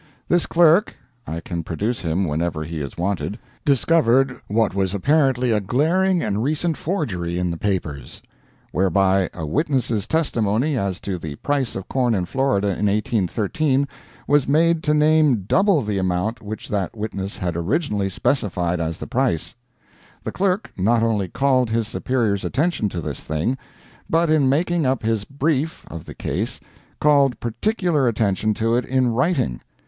This clerk (I can produce him whenever he is wanted) discovered what was apparently a glaring and recent forgery in the papers; whereby a witness's testimony as to the price of corn in Florida in 1813 was made to name double the amount which that witness had originally specified as the price! The clerk not only called his superior's attention to this thing, but in making up his brief of the case called particular attention to it in writing.